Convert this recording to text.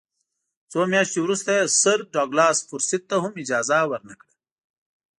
څو میاشتې وروسته یې سر ډاګلاس فورسیت ته هم اجازه ورنه کړه.